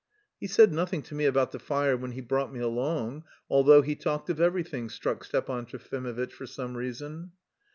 "He said nothing to me about the fire when he brought me along, although he talked of everything," struck Stepan Trofimovitch for some reason.